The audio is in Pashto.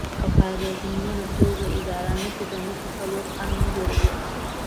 که په اغېزمنه توګه اداره نشي د موخې په لور خنډ جوړوي.